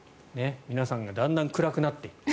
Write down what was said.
皆さんがだんだん暗くなっていく。